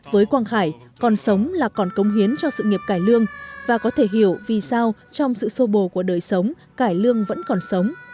với quang khải còn sống là còn công hiến cho sự nghiệp cải lương và có thể hiểu vì sao trong sự sô bồ của đời sống cải lương vẫn còn sống